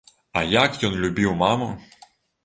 А як ён любіў маму!